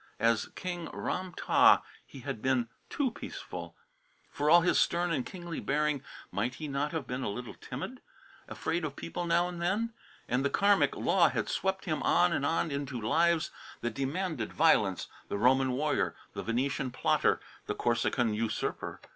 As King Ram tah he had been too peaceful. For all his stern and kingly bearing might he not have been a little timid afraid of people now and then? And the Karmic law had swept him on and on into lives that demanded violence, the Roman warrior, the Venetian plotter, the Corsican usurper!